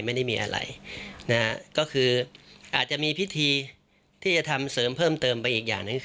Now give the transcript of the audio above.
ไม่ได้มีอะไร